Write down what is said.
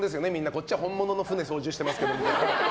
こっちは本物の船を操縦してますけどって。